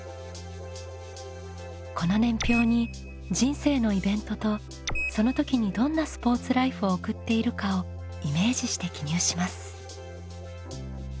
この年表に人生のイベントとその時にどんなスポーツライフを送っているかをイメージして記入します。